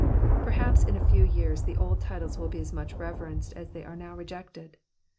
Perhaps in a few years the old titles will be as muck reverenced as tkey are now rejected.